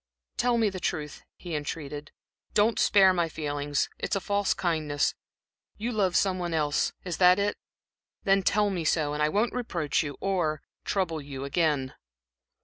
"Tell me the truth," he entreated, "don't spare my feelings. It's a false kindness. You love someone else is that it? then tell me so, and I won't reproach you or trouble you again."